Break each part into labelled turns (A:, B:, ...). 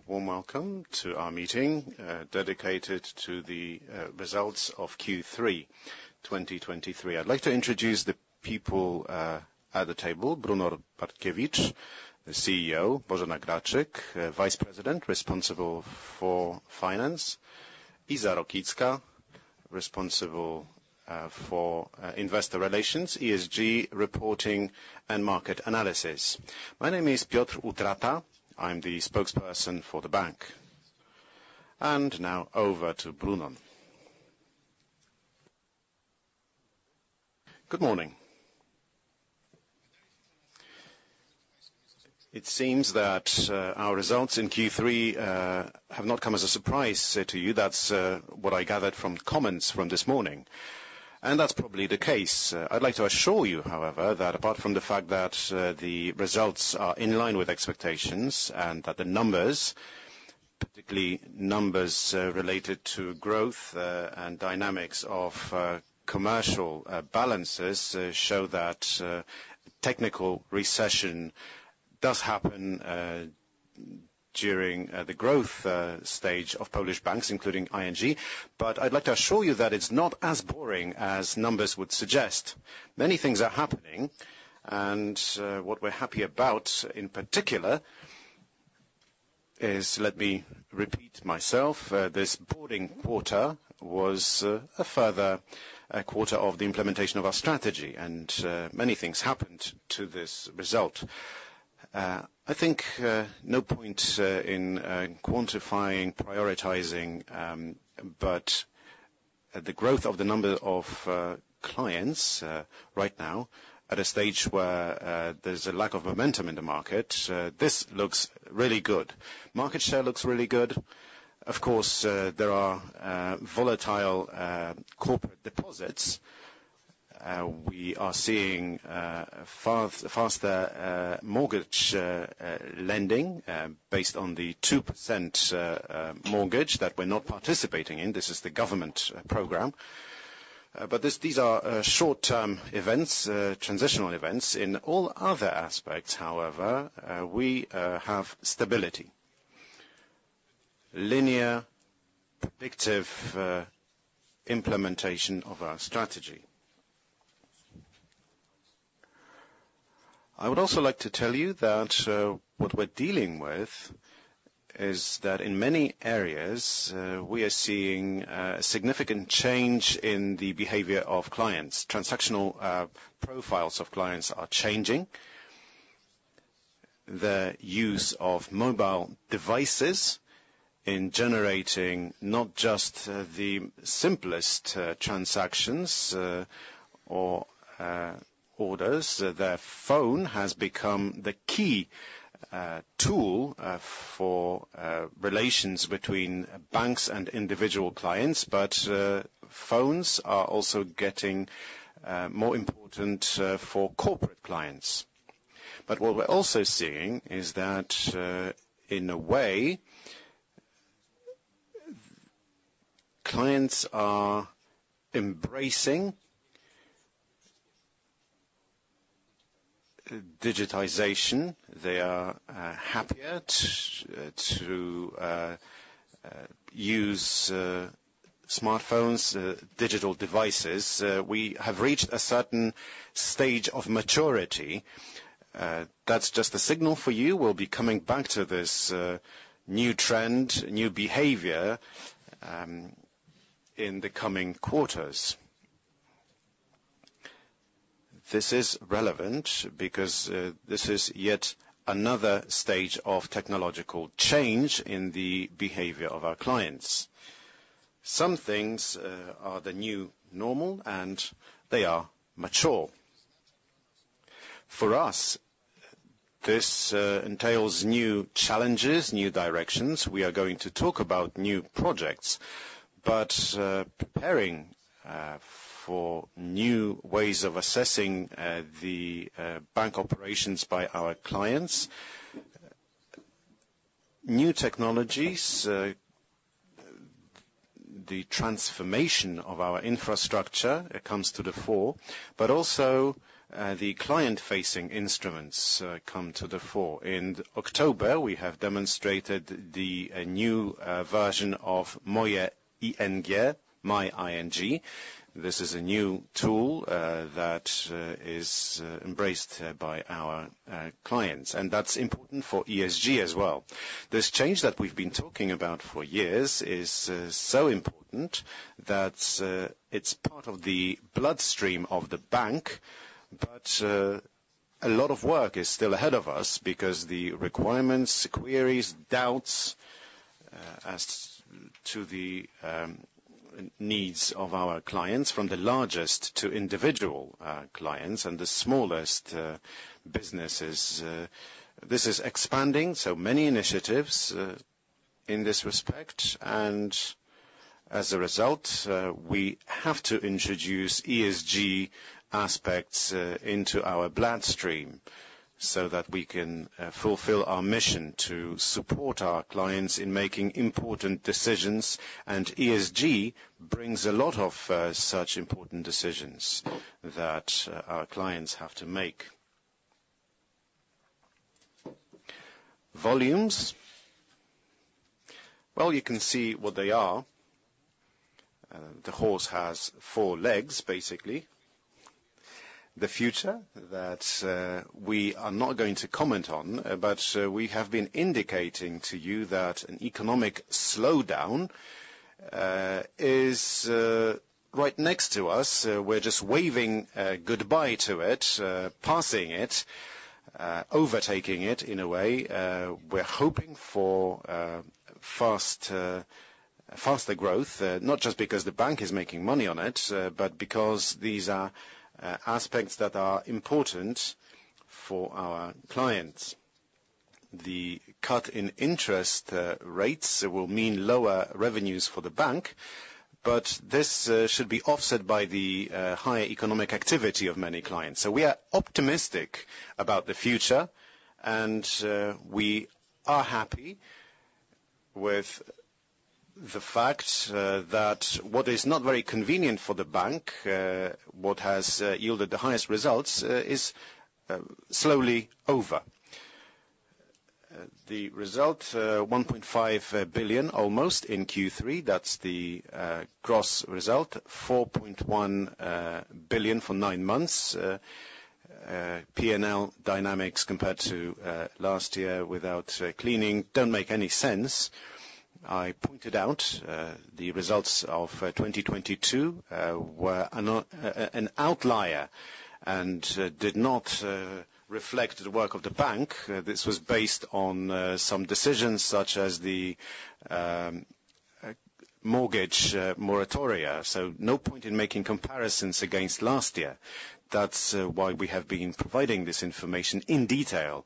A: A warm welcome to our meeting, dedicated to the results of Q3 2023. I'd like to introduce the people at the table, Brunon Bartkiewicz, the CEO, Bożena Graczyk, Vice President responsible for finance, Iza Rokicka, responsible for investor relations, ESG reporting, and market analysis. My name is Piotr Utrata, I'm the spokesperson for the bank. And now over to Brunon.
B: Good morning. It seems that our results in Q3 have not come as a surprise to you. That's what I gathered from comments from this morning, and that's probably the case. I'd like to assure you, however, that apart from the fact that the results are in line with expectations, and that the numbers, particularly numbers, related to growth and dynamics of commercial balances, show that technical recession does happen during the growth stage of Polish banks, including ING. But I'd like to assure you that it's not as boring as numbers would suggest. Many things are happening, and what we're happy about in particular is, let me repeat myself, this fourth quarter was a further quarter of the implementation of our strategy, and many things happened to this result. I think, no point in quantifying, prioritizing, but the growth of the number of clients right now, at a stage where there's a lack of momentum in the market, this looks really good. Market share looks really good. Of course, there are volatile corporate deposits. We are seeing far faster mortgage lending based on the 2% mortgage that we're not participating in. This is the government program, but this, these are short-term events, transitional events. In all other aspects, however, we have stability. Linear, predictive implementation of our strategy. I would also like to tell you that what we're dealing with is that in many areas we are seeing significant change in the behavior of clients. Transactional profiles of clients are changing. The use of mobile devices in generating not just, the simplest, transactions, or, orders, the phone has become the key, tool, for, relations between banks and individual clients, but, phones are also getting, more important, for corporate clients. But what we're also seeing is that, in a way, clients are embracing... digitization. They are, happier to, use, smartphones, digital devices. We have reached a certain stage of maturity. That's just a signal for you. We'll be coming back to this, new trend, new behavior, in the coming quarters. This is relevant because, this is yet another stage of technological change in the behavior of our clients. Some things, are the new normal, and they are mature. For us, this entails new challenges, new directions. We are going to talk about new projects, but preparing for new ways of assessing the bank operations by our clients, new technologies, the transformation of our infrastructure, it comes to the fore, but also the client-facing instruments come to the fore. In October, we have demonstrated the new version of Moje ING, My ING. This is a new tool that is embraced by our clients, and that's important for ESG as well. This change that we've been talking about for years is so important that it's part of the bloodstream of the bank, but a lot of work is still ahead of us, because the requirements, queries, doubts as to the needs of our clients, from the largest to individual clients and the smallest businesses, this is expanding, so many initiatives in this respect. As a result, we have to introduce ESG aspects into our bloodstream so that we can fulfill our mission to support our clients in making important decisions. ESG brings a lot of such important decisions that our clients have to make.... Volumes. Well, you can see what they are. The horse has four legs, basically. The future, that we are not going to comment on, but we have been indicating to you that an economic slowdown is right next to us. We're just waving goodbye to it, passing it, overtaking it in a way. We're hoping for fast, faster growth, not just because the bank is making money on it, but because these are aspects that are important for our clients. The cut in interest rates will mean lower revenues for the bank, but this should be offset by the higher economic activity of many clients. So we are optimistic about the future, and we are happy with the fact that what is not very convenient for the bank, what has yielded the highest results, is slowly over. The result, 1.5 billion, almost, in Q3, that's the gross result. 4.1 billion for nine months. P&L dynamics compared to last year without cleaning don't make any sense. I pointed out the results of 2022 were an outlier and did not reflect the work of the bank. This was based on some decisions such as the mortgage moratoria. So no point in making comparisons against last year. That's why we have been providing this information in detail,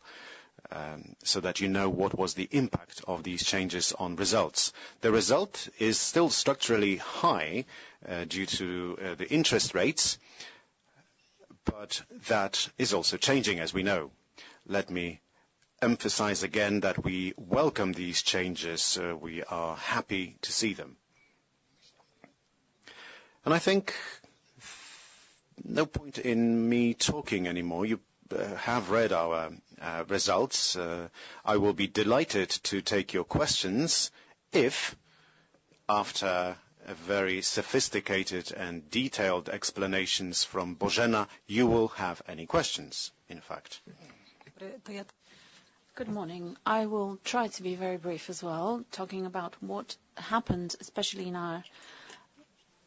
B: so that you know, what was the impact of these changes on results. The result is still structurally high due to the interest rates, but that is also changing, as we know. Let me emphasize again that we welcome these changes. We are happy to see them. And I think no point in me talking anymore. You have read our results. I will be delighted to take your questions if, after a very sophisticated and detailed explanations from Bożena, you will have any questions, in fact.
C: Good morning. I will try to be very brief as well, talking about what happened, especially in our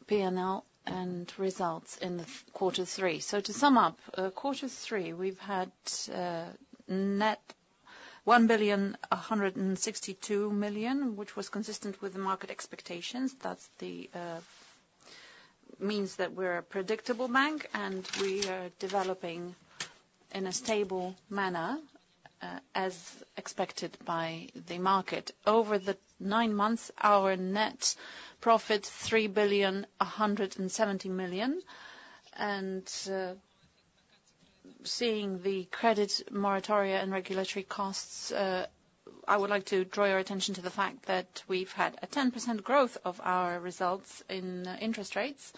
C: P&L and results in the third quarter. So to sum up, quarter three, we've had net 1,162 million, which was consistent with the market expectations. That means that we're a predictable bank, and we are developing in a stable manner, as expected by the market. Over the nine months, our net profit, 3,170 million, and, seeing the credit moratoria and regulatory costs, I would like to draw your attention to the fact that we've had a 10% growth of our results in interest rates,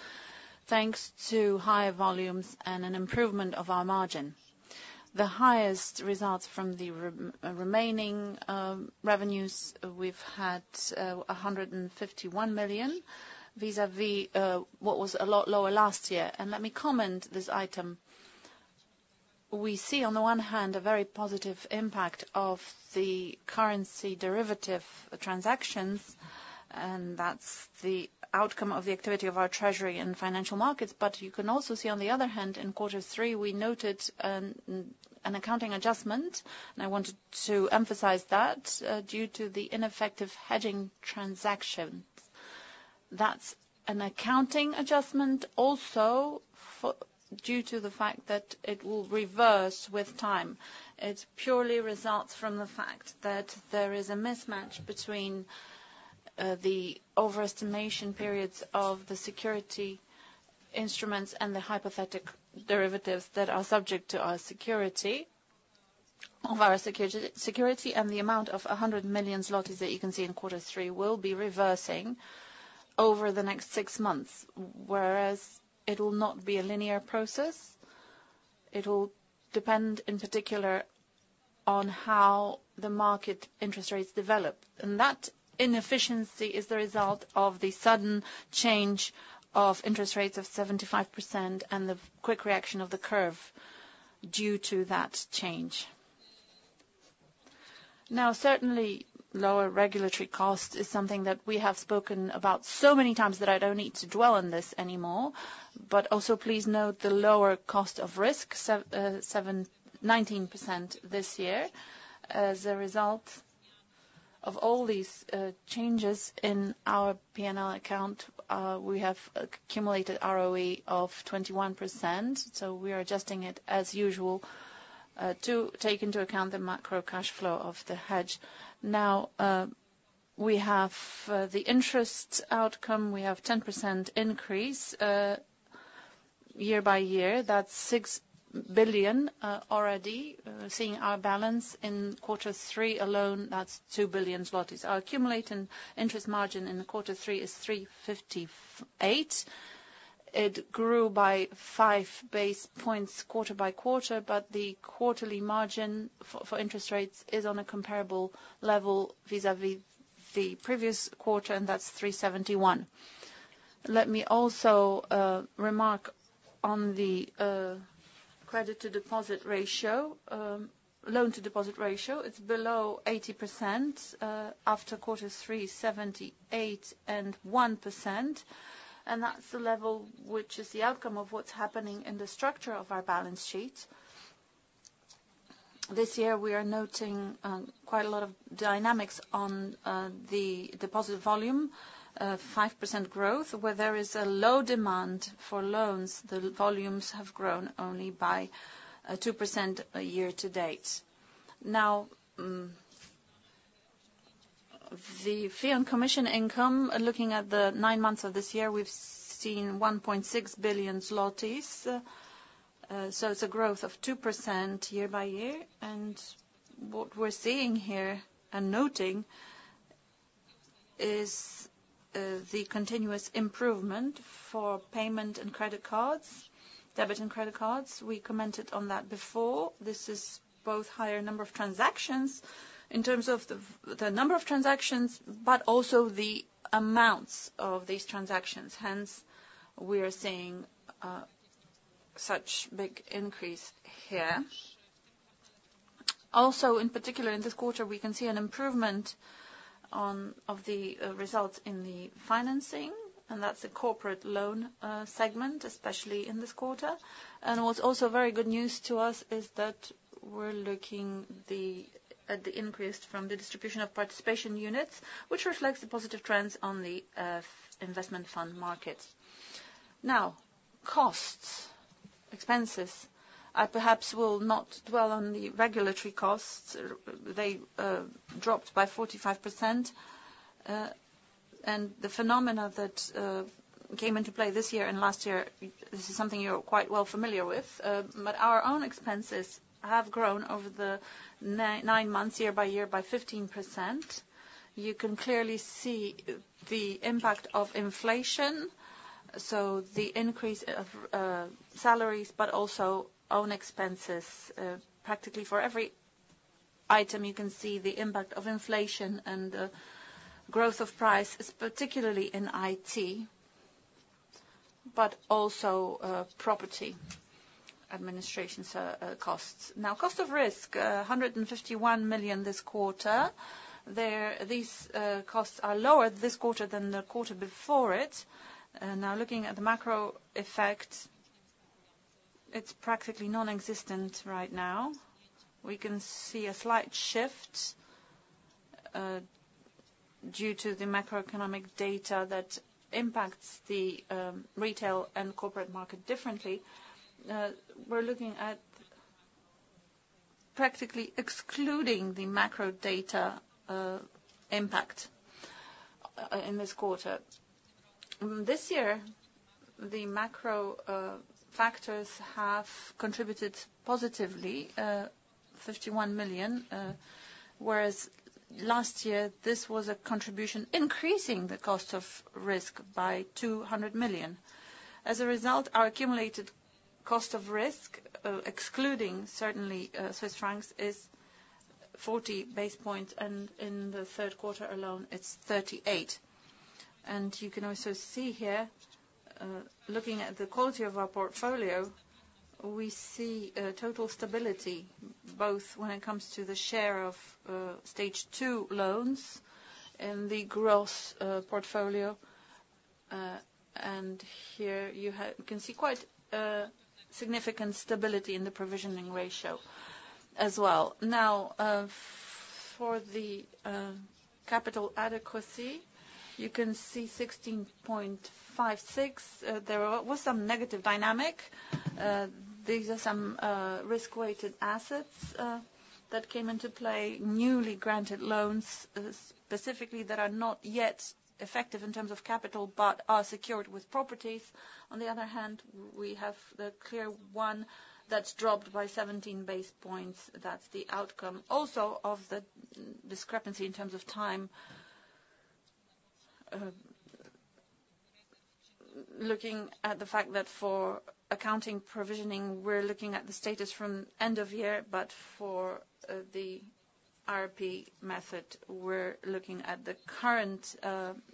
C: thanks to higher volumes and an improvement of our margin. The highest results from the remaining revenues we've had 151 million PLN, vis-a-vis what was a lot lower last year. And let me comment this item. We see, on the one hand, a very positive impact of the currency derivative transactions, and that's the outcome of the activity of our treasury and financial markets. But you can also see, on the other hand, in quarter three, we noted an accounting adjustment, and I wanted to emphasize that due to the ineffective hedging transactions. That's an accounting adjustment also due to the fact that it will reverse with time. It purely results from the fact that there is a mismatch between the overestimation periods of the security instruments and the hedging derivatives that are subject to our security. Of our security and the amount of 100 million zlotys that you can see in quarter three will be reversing over the next six months, whereas it will not be a linear process. It'll depend in particular on how the market interest rates develop, and that inefficiency is the result of the sudden change of interest rates of 75% and the quick reaction of the curve due to that change. Now, certainly, lower regulatory cost is something that we have spoken about so many times that I don't need to dwell on this anymore. But also, please note the lower cost of risk, 7.19% this year. As a result of all these changes in our P&L account, we have accumulated ROE of 21%, so we are adjusting it as usual to take into account the macro cash flow of the hedge. Now we have the interest outcome; we have 10% increase year-over-year. That's 6 billion already. Seeing our balance in quarter three alone, that's 2 billion zlotys. Our accumulating interest margin in quarter three is 3.58%. It grew by 5 basis points quarter-over-quarter, but the quarterly margin for interest rates is on a comparable level vis-à-vis the previous quarter, and that's 3.71%. Let me also remark on the credit to deposit ratio, loan to deposit ratio. It's below 80%, after quarter three, 78.1%, and that's the level which is the outcome of what's happening in the structure of our balance sheet. This year, we are noting quite a lot of dynamics on the deposit volume, 5% growth, where there is a low demand for loans. The volumes have grown only by 2% year-to-date. Now, the fee and commission income, looking at the nine months of this year, we've seen 1.6 billion zlotys. So it's a growth of 2% year-over-year, and what we're seeing here, and noting, is the continuous improvement for payment and credit cards, debit and credit cards. We commented on that before. This is both higher number of transactions, in terms of the number of transactions, but also the amounts of these transactions, hence, we are seeing such big increase here. Also, in particular, in this quarter, we can see an improvement on, of the, results in the financing, and that's a corporate loan segment, especially in this quarter. And what's also very good news to us is that we're looking at the increase from the distribution of participation units, which reflects the positive trends on the investment fund market. Now, costs, expenses. I perhaps will not dwell on the regulatory costs. They dropped by 45%, and the phenomena that came into play this year and last year, this is something you're quite well familiar with, but our own expenses have grown over the nine months, year by year, by 15%. You can clearly see the impact of inflation, so the increase of salaries, but also own expenses. Practically for every item, you can see the impact of inflation and growth of price, particularly in IT, but also property administration's costs. Now, cost of risk, 151 million this quarter. These costs are lower this quarter than the quarter before it. And now, looking at the macro effect, it's practically non-existent right now. We can see a slight shift due to the macroeconomic data that impacts the retail and corporate market differently. We're looking at practically excluding the macro data impact in this quarter. This year, the macro factors have contributed positively 51 million, whereas last year, this was a contribution increasing the cost of risk by 200 million. As a result, our accumulated cost of risk, excluding certainly Swiss francs, is 40 basis points, and in the third quarter alone, it's 38. And you can also see here, looking at the quality of our portfolio, we see total stability, both when it comes to the share of stage two loans in the gross portfolio, and here you can see quite a significant stability in the provisioning ratio as well. Now, for the capital adequacy, you can see 16.56. There was some negative dynamic. These are some risk-weighted assets that came into play, newly granted loans, specifically, that are not yet effective in terms of capital, but are secured with properties. On the other hand, we have the LCR that's dropped by 17 basis points. That's the outcome also of the discrepancy in terms of time. Looking at the fact that for accounting provisioning, we're looking at the status from end of year, but for the RP method, we're looking at the current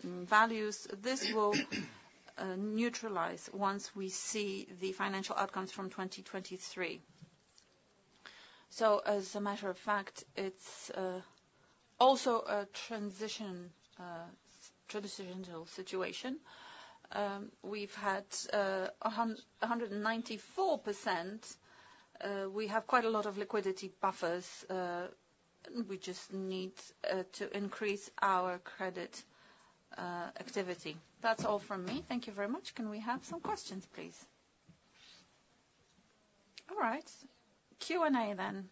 C: values. This will neutralize once we see the financial outcomes from 2023. So as a matter of fact, it's also a transitional situation. We've had 194%. We have quite a lot of liquidity buffers. We just need to increase our credit activity. That's all from me. Thank you very much. Can we have some questions, please? All right, Q&A then.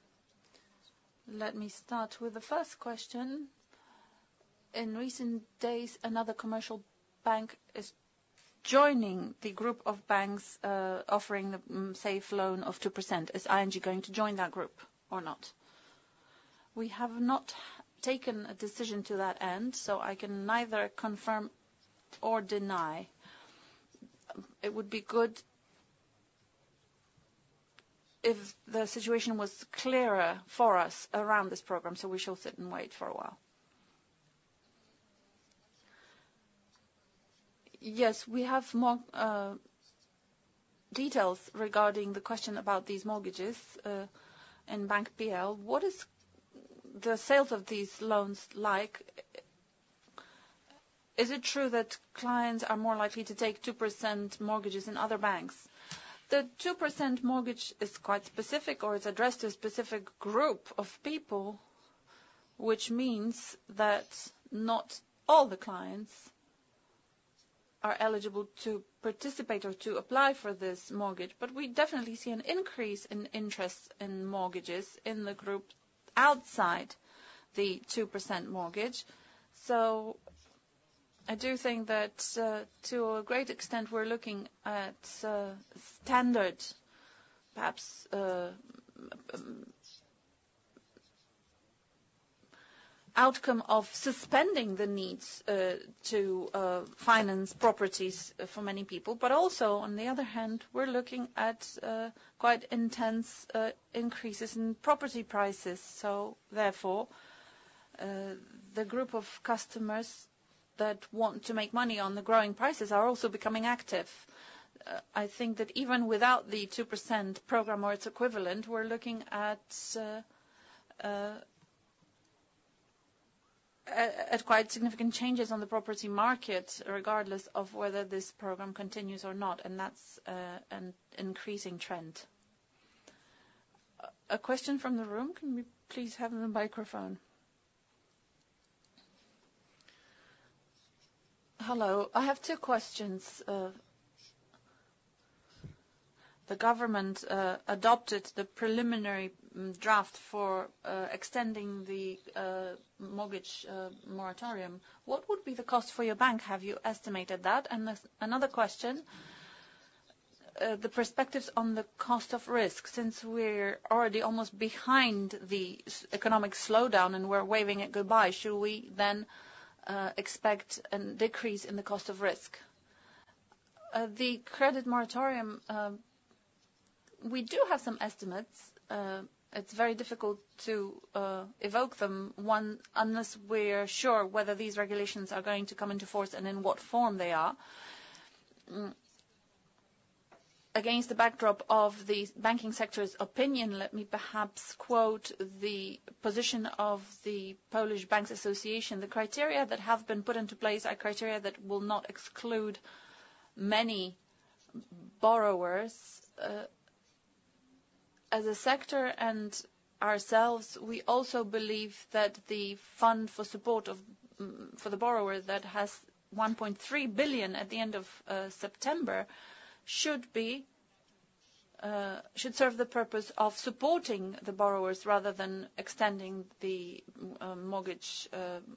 C: Let me start with the first question: In recent days, another commercial bank is joining the group of banks, offering the safe loan of 2%. Is ING going to join that group or not? We have not taken a decision to that end, so I can neither confirm or deny. It would be good if the situation was clearer for us around this program, so we shall sit and wait for a while. Yes, we have more details regarding the question about these mortgages in BANK.pl. What is the sales of these loans like? Is it true that clients are more likely to take 2% mortgages in other banks? The 2% mortgage is quite specific, or it's addressed to a specific group of people, which means that not all the clients are eligible to participate or to apply for this mortgage. But we definitely see an increase in interest in mortgages in the group outside the 2% mortgage. So I do think that, to a great extent, we're looking at, standard, perhaps, outcome of suspending the needs, to, finance properties for many people. But also, on the other hand, we're looking at, quite intense, increases in property prices. So therefore, the group of customers that want to make money on the growing prices are also becoming active. I think that even without the 2% program or its equivalent, we're looking at quite significant changes on the property market, regardless of whether this program continues or not, and that's an increasing trend. A question from the room. Can we please have the microphone? Hello. I have two questions. The government adopted the preliminary draft for extending the mortgage moratorium. What would be the cost for your bank? Have you estimated that? And another question, the perspectives on the cost of risk, since we're already almost behind the economic slowdown and we're waving it goodbye, should we then expect a decrease in the cost of risk? The credit moratorium, we do have some estimates. It's very difficult to evoke them, one, unless we're sure whether these regulations are going to come into force and in what form they are. Against the backdrop of the banking sector's opinion, let me perhaps quote the position of the Polish Banks' Association. The criteria that have been put into place are criteria that will not exclude many borrowers. As a sector and ourselves, we also believe that the fund for support of, for the borrower that has 1.3 billion at the end of September, should serve the purpose of supporting the borrowers, rather than extending the mortgage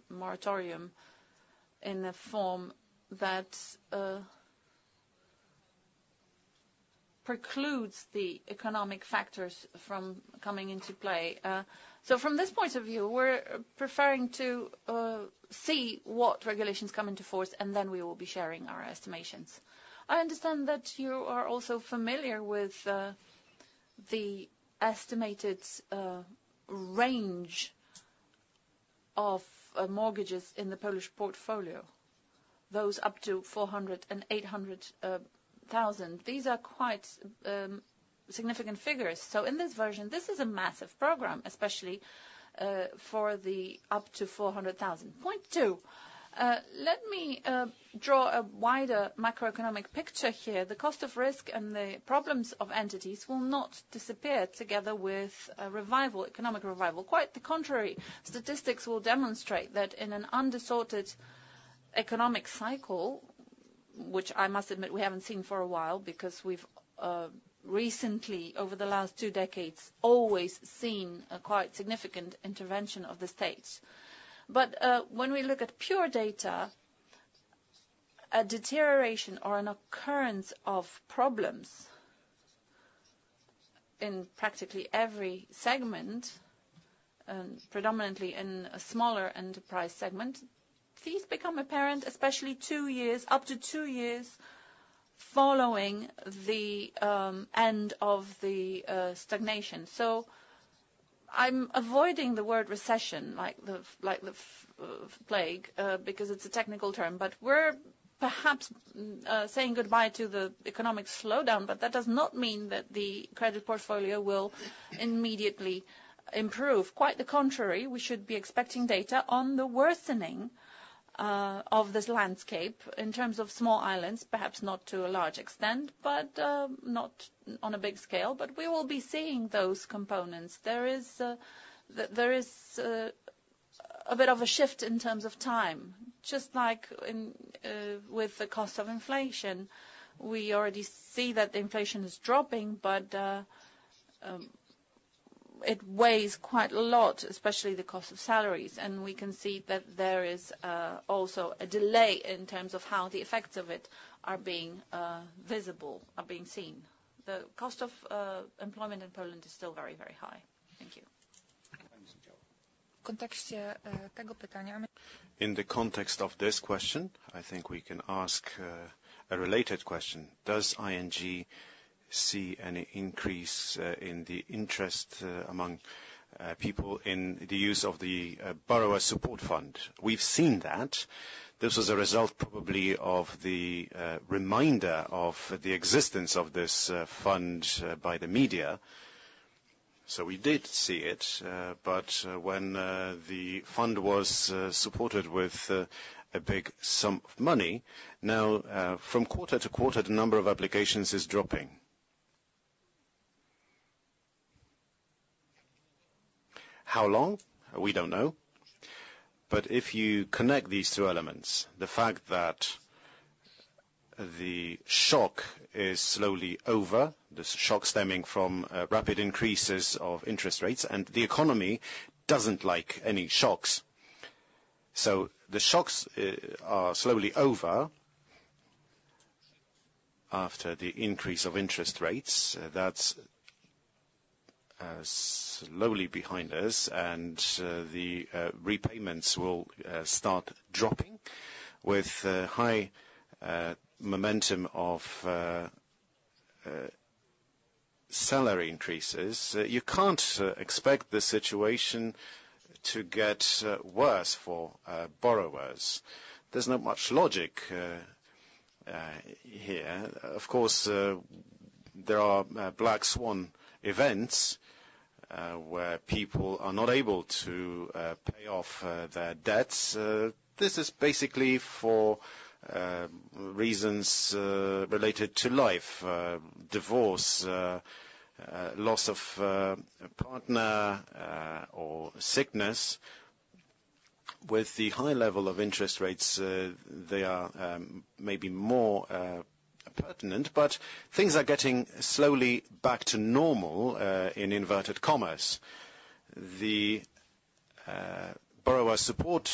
C: moratorium in a form that precludes the economic factors from coming into play. So from this point of view, we're preferring to see what regulations come into force, and then we will be sharing our estimations. I understand that you are also familiar with the estimated range of mortgages in the Polish portfolio, those up to 400,000 and 800,000. These are quite significant figures. So in this version, this is a massive program, especially for the up to 400,000. Point 2, let me draw a wider macroeconomic picture here. The cost of risk and the problems of entities will not disappear together with a revival, economic revival. Quite the contrary, statistics will demonstrate that in an undistorted economic cycle, which I must admit, we haven't seen for a while, because we've recently, over the last two decades, always seen a quite significant intervention of the states. When we look at pure data, a deterioration or an occurrence of problems in practically every segment, predominantly in a smaller enterprise segment, these become apparent, especially two years, up to two years following the end of the stagnation. I'm avoiding the word recession, like the plague, because it's a technical term, but we're perhaps saying goodbye to the economic slowdown, but that does not mean that the credit portfolio will immediately improve. Quite the contrary, we should be expecting data on the worsening of this landscape in terms of small islands, perhaps not to a large extent, but not on a big scale. We will be seeing those components. There is a bit of a shift in terms of time, just like with the cost of inflation. We already see that the inflation is dropping, but it weighs quite a lot, especially the cost of salaries. We can see that there is also a delay in terms of how the effects of it are being visible, are being seen. The cost of employment in Poland is still very, very high. Thank you.
B: In the context of this question, I think we can ask a related question: Does ING see any increase in the interest among people in the use of the Borrower Support Fund? We've seen that. This was a result probably of the reminder of the existence of this fund by the media. So we did see it, but when the fund was supported with a big sum of money, now from quarter to quarter, the number of applications is dropping. How long? We don't know. But if you connect these two elements, the fact that the shock is slowly over, the shock stemming from rapid increases of interest rates, and the economy doesn't like any shocks. So the shocks are slowly over after the increase of interest rates. That's slowly behind us, and the repayments will start dropping with high momentum of salary increases. You can't expect the situation to get worse for borrowers. There's not much logic here. Of course, there are Black Swan events where people are not able to pay off their debts. This is basically for reasons related to life, divorce, loss of a partner, or sickness. With the high level of interest rates, they are maybe more pertinent, but things are getting slowly back to normal, in inverted commas. The Borrower Support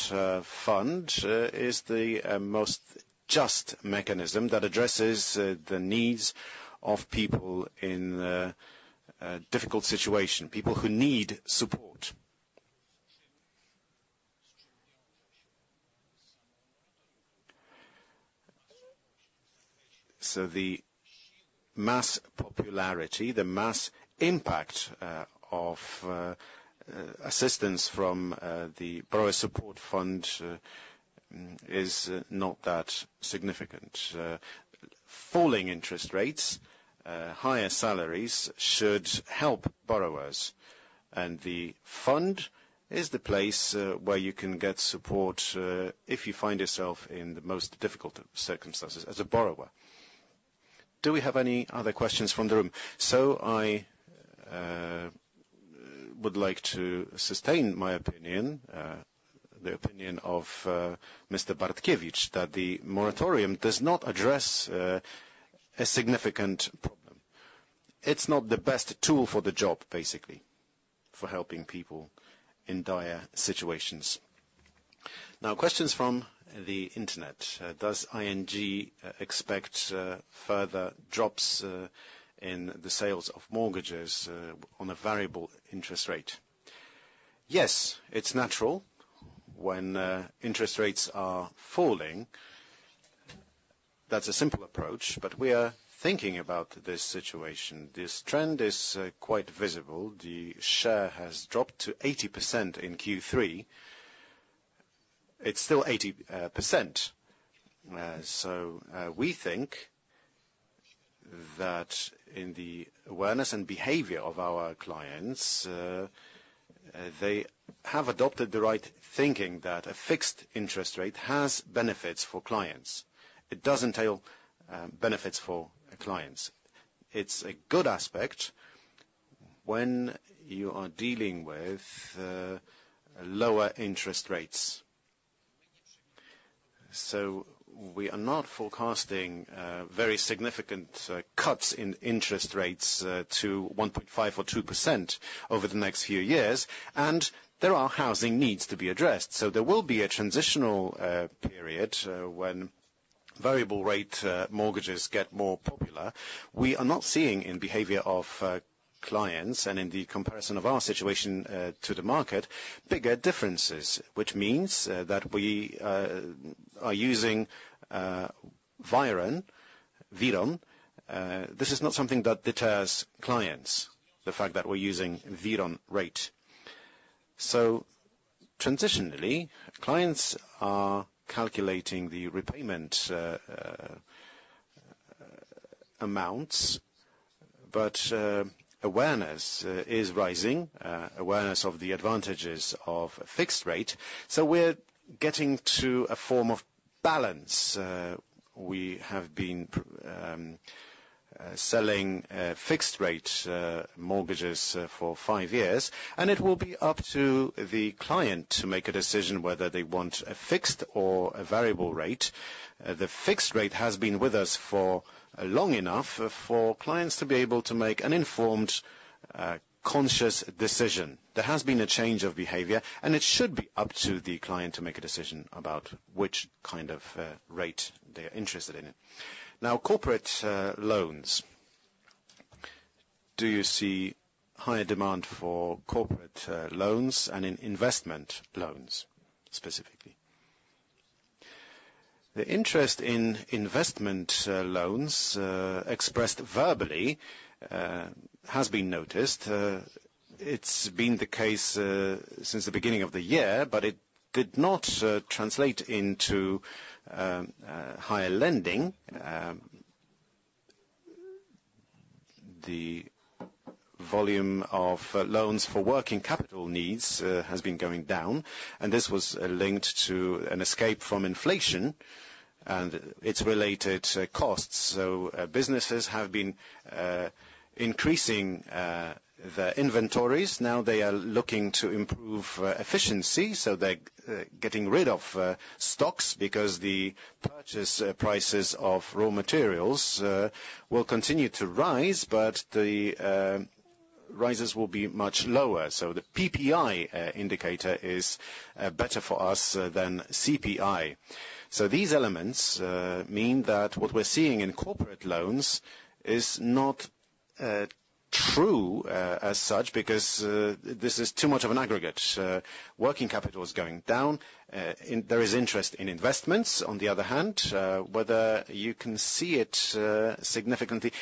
B: Fund is the most just mechanism that addresses the needs of people in a difficult situation, people who need support. So the mass popularity, the mass impact of assistance from the Borrower Support Fund is not that significant. Falling interest rates, higher salaries should help borrowers, and the fund is the place where you can get support if you find yourself in the most difficult circumstances as a borrower. Do we have any other questions from the room? So I would like to sustain my opinion, the opinion of Mr. Bartkiewicz, that the moratorium does not address a significant problem. It's not the best tool for the job, basically, for helping people in dire situations. Now, questions from the Internet: Does ING expect further drops in the sales of mortgages on a variable interest rate? Yes, it's natural when interest rates are falling. That's a simple approach, but we are thinking about this situation. This trend is quite visible. The share has dropped to 80% in Q3. It's still 80%. So we think that in the awareness and behavior of our clients, they have adopted the right thinking, that a fixed interest rate has benefits for clients. It does entail benefits for clients. It's a good aspect when you are dealing with lower interest rates. So we are not forecasting very significant cuts in interest rates to 1.5% or 2% over the next few years, and there are housing needs to be addressed. So there will be a transitional period when variable rate mortgages get more popular. We are not seeing, in behavior of clients and in the comparison of our situation to the market, bigger differences, which means that we are using WIRON, WIRON. This is not something that deters clients, the fact that we're using WIRON rate. So transitionally, clients are calculating the repayment amounts, but awareness is rising, awareness of the advantages of a fixed rate. So we're getting to a form of balance. We have been selling fixed rate mortgages for five years, and it will be up to the client to make a decision whether they want a fixed or a variable rate. The fixed rate has been with us for long enough for clients to be able to make an informed, conscious decision. There has been a change of behavior, and it should be up to the client to make a decision about which kind of rate they're interested in. Now, corporate loans.... Do you see higher demand for corporate loans and in investment loans, specifically? The interest in investment loans expressed verbally has been noticed. It's been the case since the beginning of the year, but it did not translate into higher lending. The volume of loans for working capital needs has been going down, and this was linked to an escape from inflation and its related costs. So, businesses have been increasing the inventories. Now they are looking to improve efficiency, so they're getting rid of stocks because the purchase prices of raw materials will continue to rise, but the rises will be much lower. So the PPI indicator is better for us than CPI. So these elements mean that what we're seeing in corporate loans is not true as such, because this is too much of an aggregate. Working capital is going down. There is interest in investments, on the other hand, whether you can see it significantly.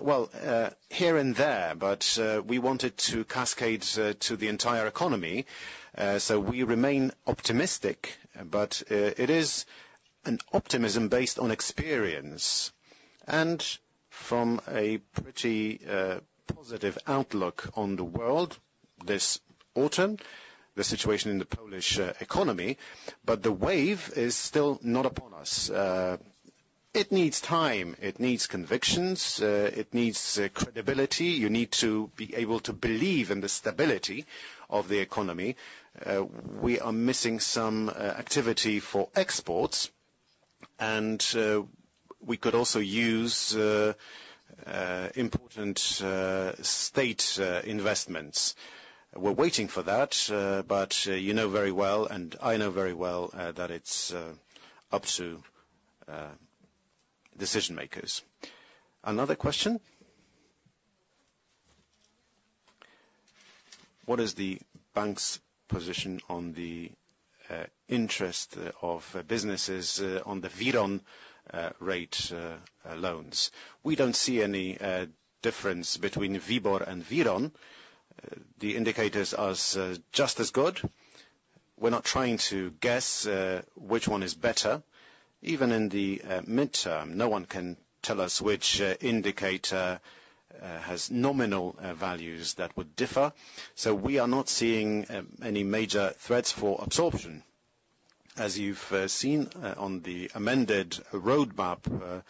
B: Well, here and there, but we want it to cascade to the entire economy. So we remain optimistic, but it is an optimism based on experience and from a pretty positive outlook on the world this autumn, the situation in the Polish economy, but the wave is still not upon us. It needs time. It needs convictions. It needs credibility. You need to be able to believe in the stability of the economy. We are missing some activity for exports, and we could also use important state investments. We're waiting for that, but you know very well, and I know very well, that it's up to decision-makers. Another question? What is the bank's position on the interest of businesses on the WIRON rate loans? We don't see any difference between WIBOR and WIRON. The indicators are just as good. We're not trying to guess which one is better. Even in the mid-term, no one can tell us which indicator has nominal values that would differ. So we are not seeing any major threats for absorption. As you've seen on the amended roadmap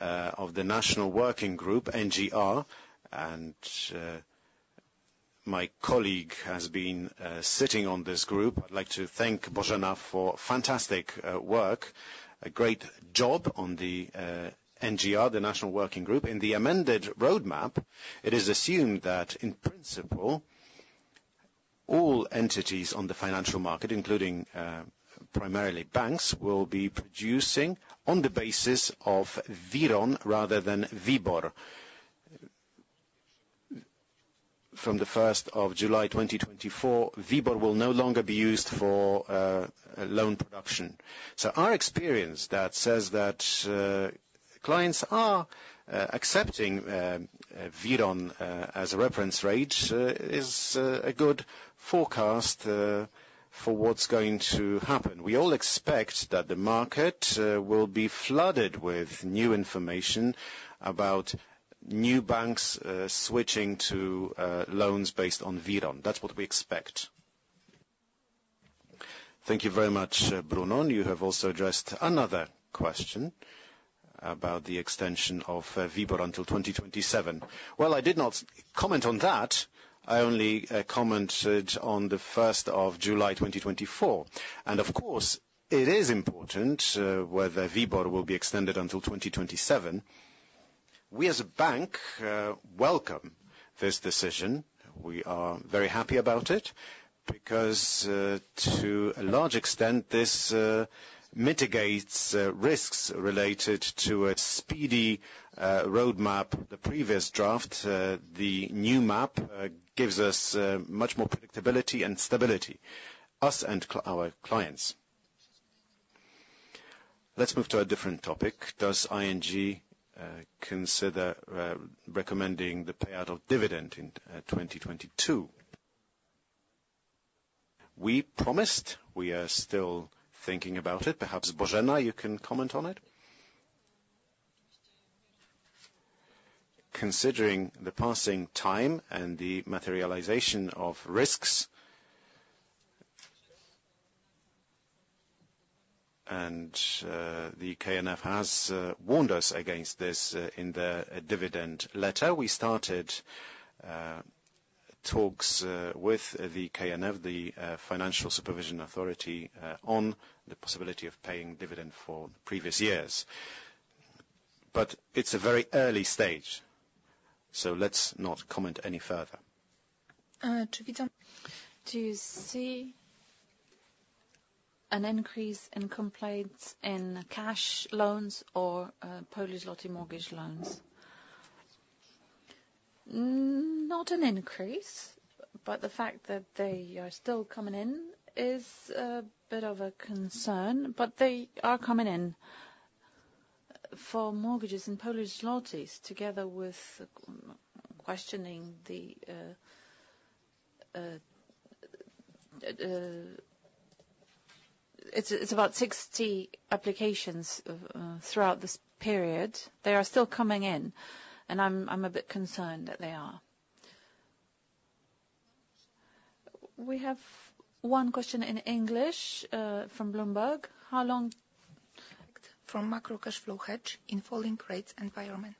B: of the National Working Group, NGR, and my colleague has been sitting on this group. I'd like to thank Bożena for fantastic work, a great job on the NGR, the National Working Group. In the amended roadmap, it is assumed that, in principle, all entities on the financial market, including primarily banks, will be producing on the basis of WIRON rather than WIBOR. From the first of July 2024, WIBOR will no longer be used for loan production. So our experience that says that clients are accepting WIRON as a reference rate is a good forecast for what's going to happen. We all expect that the market will be flooded with new information about new banks switching to loans based on WIRON. That's what we expect. Thank you very much, Bruno. You have also addressed another question about the extension of WIBOR until 2027. Well, I did not comment on that. I only commented on July 1, 2024, and of course, it is important whether WIBOR will be extended until 2027. We, as a bank, welcome this decision. We are very happy about it because to a large extent, this mitigates risks related to a speedy roadmap, the previous draft. The new map gives us much more predictability and stability, us and our clients. Let's move to a different topic. Does ING consider recommending the payout of dividend in 2022? We promised. We are still thinking about it. Perhaps, Bożena, you can comment on it. Considering the passing time and the materialization of risks, and the KNF has warned us against this in their dividend letter. We started talks with the KNF, the Financial Supervision Authority, on the possibility of paying dividend for previous years. But it's a very early stage, so let's not comment any further.
C: An increase in complaints in cash loans or Polish złoty mortgage loans? Not an increase, but the fact that they are still coming in is a bit of a concern, but they are coming in for mortgages in Polish złotys, together with questioning the, it's about 60 applications throughout this period. They are still coming in, and I'm a bit concerned that they are. We have one question in English from Bloomberg. How long from macro cash flow hedge in falling rates environment?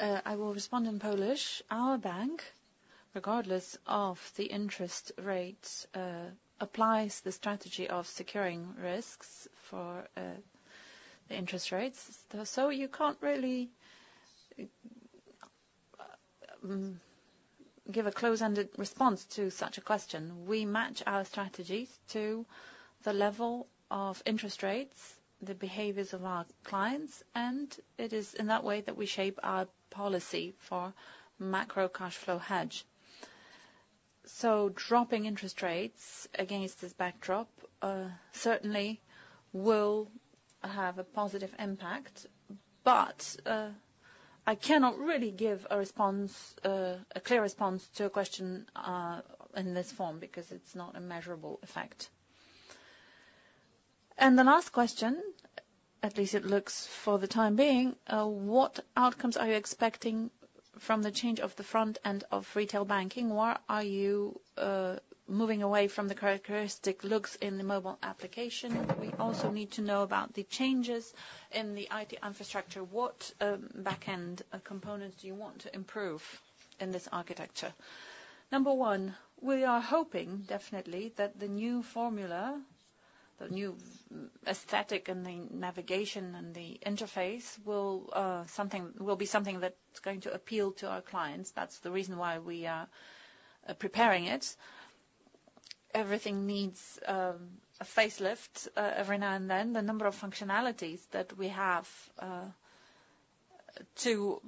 C: I will respond in Polish. Our bank, regardless of the interest rates, applies the strategy of securing risks for the interest rates. So you can't really give a closed-ended response to such a question. We match our strategies to the level of interest rates, the behaviors of our clients, and it is in that way that we shape our policy for macro cash flow hedge. So dropping interest rates against this backdrop certainly will have a positive impact, but I cannot really give a response, a clear response to a question in this form, because it's not a measurable effect. The last question, at least it looks for the time being, what outcomes are you expecting from the change of the front end of retail banking? Where are you moving away from the characteristic looks in the mobile application? We also need to know about the changes in the IT infrastructure. What backend components do you want to improve in this architecture? Number one, we are hoping definitely that the new formula, the new aesthetic and the navigation and the interface will be something that's going to appeal to our clients. That's the reason why we are preparing it. Everything needs a facelift every now and then. The number of functionalities that we have to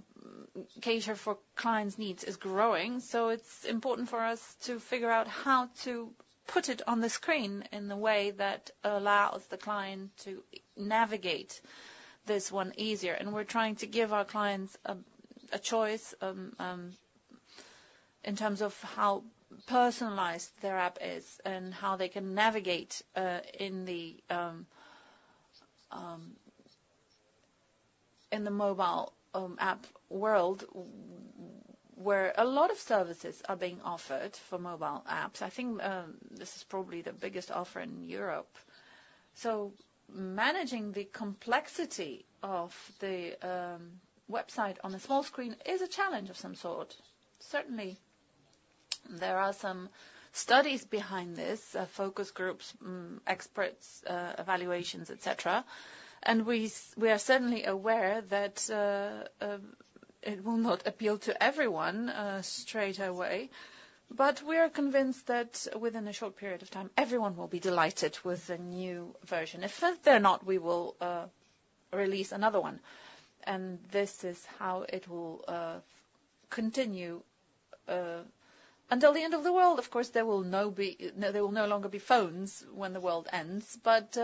C: cater for clients' needs is growing, so it's important for us to figure out how to put it on the screen in the way that allows the client to navigate this one easier. And we're trying to give our clients a choice in terms of how personalized their app is and how they can navigate in the mobile app world, where a lot of services are being offered for mobile apps. I think, this is probably the biggest offer in Europe. So managing the complexity of the website on a small screen is a challenge of some sort. Certainly, there are some studies behind this, focus groups, experts, evaluations, et cetera. And we are certainly aware that it will not appeal to everyone straight away, but we are convinced that within a short period of time, everyone will be delighted with the new version. If they're not, we will release another one, and this is how it will continue until the end of the world. Of course, there will no longer be phones when the world ends, but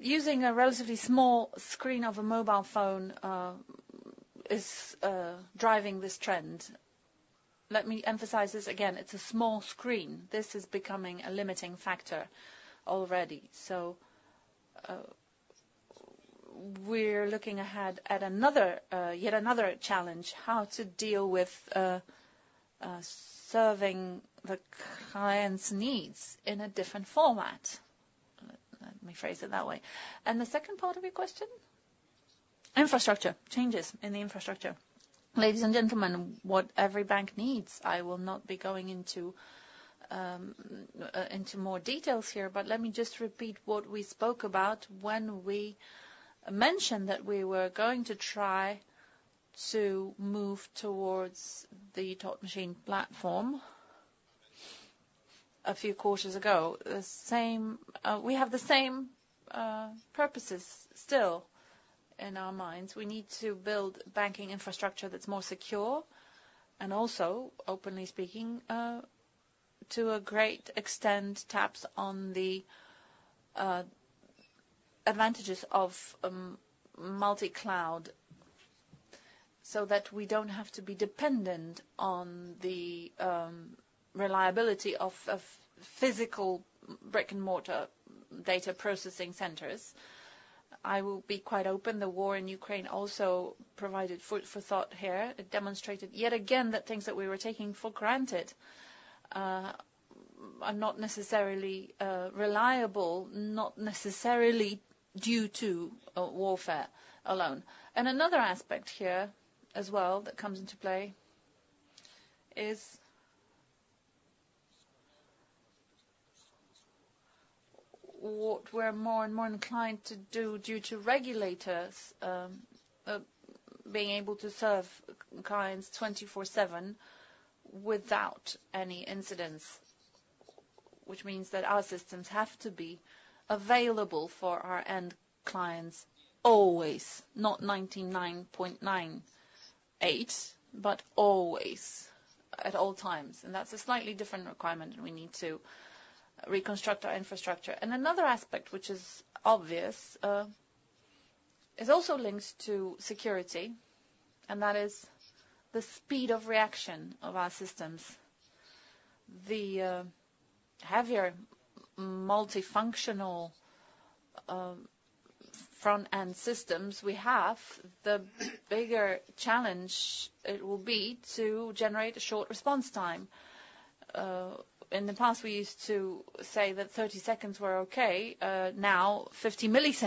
C: using a relatively small screen of a mobile phone is driving this trend. Let me emphasize this again, it's a small screen. This is becoming a limiting factor already. So, we're looking ahead at another, yet another challenge, how to deal with serving the client's needs in a different format. Let me phrase it that way. And the second part of your question? Infrastructure, changes in the infrastructure. Ladies and gentlemen, what every bank needs, I will not be going into more details here, but let me just repeat what we spoke about when we mentioned that we were going to try to move towards the Thought Machine platform a few quarters ago. The same, we have the same, purposes still in our minds. We need to build banking infrastructure that's more secure, and also, openly speaking, to a great extent, taps on the advantages of multi-cloud, so that we don't have to be dependent on the reliability of physical brick-and-mortar data processing centers. I will be quite open: the war in Ukraine also provided food for thought here. It demonstrated yet again that things that we were taking for granted are not necessarily reliable, not necessarily due to warfare alone. And another aspect here as well that comes into play is what we're more and more inclined to do, due to regulators, being able to serve clients 24/7 without any incidents. Which means that our systems have to be available for our end clients always, not 99.98, but always, at all times. That's a slightly different requirement, and we need to reconstruct our infrastructure. Another aspect, which is obvious, is also linked to security, and that is the speed of reaction of our systems. The heavier multifunctional front-end systems we have, the bigger challenge it will be to generate a short response time. In the past, we used to say that 30 sec were okay; now 50 ms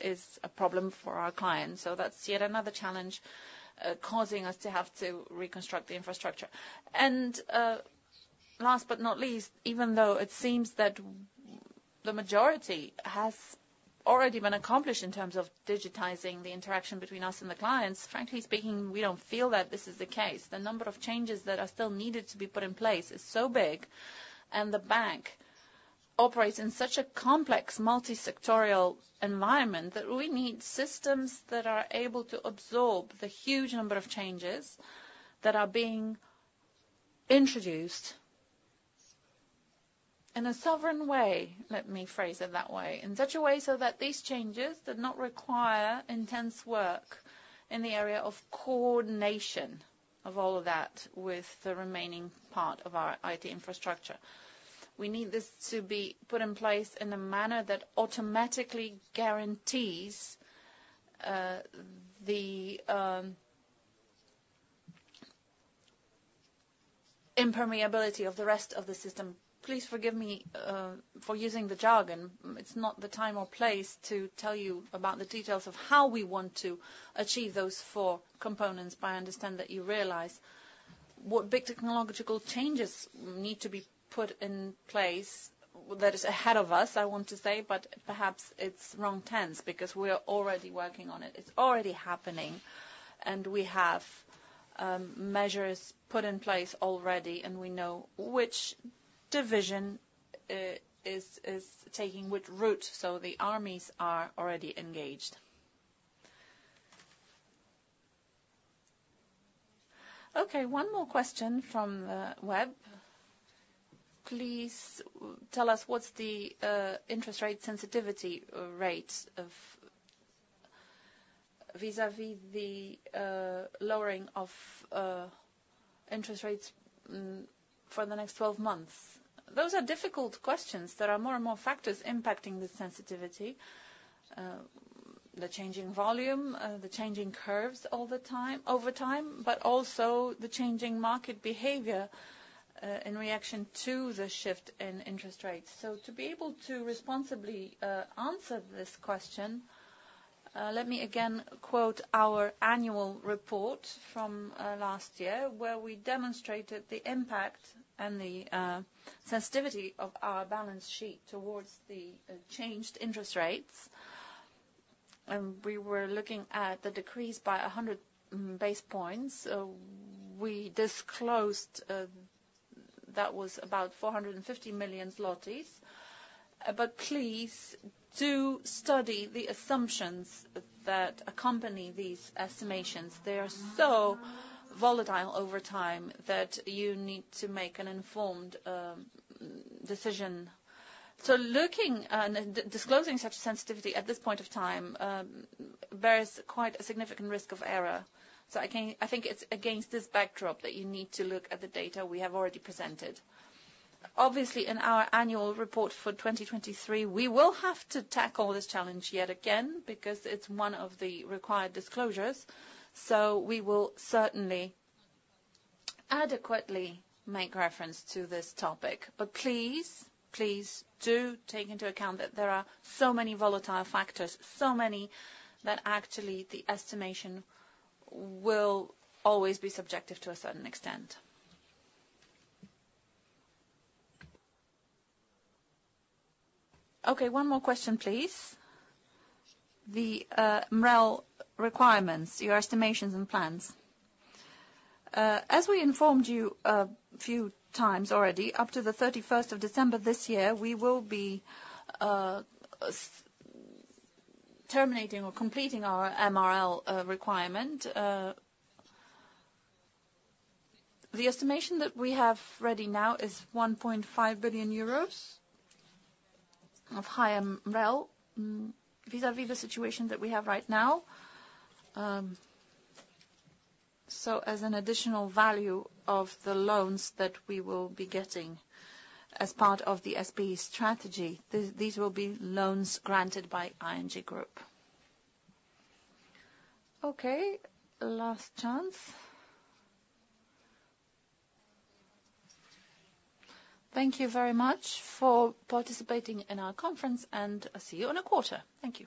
C: is a problem for our clients. So that's yet another challenge, causing us to have to reconstruct the infrastructure. Last but not least, even though it seems that the majority has already been accomplished in terms of digitizing the interaction between us and the clients, frankly speaking, we don't feel that this is the case. The number of changes that are still needed to be put in place is so big, and the bank operates in such a complex, multisectoral environment, that we need systems that are able to absorb the huge number of changes that are being introduced in a sovereign way, let me phrase it that way. In such a way so that these changes do not require intense work in the area of coordination of all of that with the remaining part of our IT infrastructure. We need this to be put in place in a manner that automatically guarantees the impermeability of the rest of the system. Please forgive me for using the jargon. It's not the time or place to tell you about the details of how we want to achieve those four components, but I understand that you realize what big technological changes need to be put in place. That is, ahead of us, I want to say, but perhaps it's wrong tense, because we are already working on it. It's already happening, and we have measures put in place already, and we know which division is taking which route, so the armies are already engaged. Okay, one more question from Webb: "Please tell us what's the interest rate sensitivity rate of... vis-à-vis the lowering of interest rates for the next 12 months?" Those are difficult questions. There are more and more factors impacting the sensitivity. The changing volume, the changing curves all the time over time, but also the changing market behavior, in reaction to the shift in interest rates. So to be able to responsibly answer this question, let me again quote our annual report from last year, where we demonstrated the impact and the sensitivity of our balance sheet towards the changed interest rates. We were looking at the decrease by 100 basis points. So we disclosed that was about 450 million zlotys. But please do study the assumptions that accompany these estimations. They are so volatile over time, that you need to make an informed decision. So looking and disclosing such sensitivity at this point of time, there is quite a significant risk of error. So again, I think it's against this backdrop that you need to look at the data we have already presented. Obviously, in our annual report for 2023, we will have to tackle this challenge yet again, because it's one of the required disclosures, so we will certainly adequately make reference to this topic. But please, please do take into account that there are so many volatile factors, so many, that actually the estimation will always be subjective to a certain extent. Okay, one more question, please. The MREL requirements, your estimations and plans. As we informed you a few times already, up to the thirty-first of December this year, we will be terminating or completing our MREL requirement. The estimation that we have ready now is 1.5 billion euros of higher MREL vis-à-vis the situation that we have right now. So as an additional value of the loans that we will be getting as part of the SBE strategy, these will be loans granted by ING Group. Okay, last chance. Thank you very much for participating in our conference, and I'll see you on the quarter. Thank you.